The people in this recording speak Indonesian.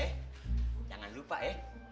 eh jangan lupa ya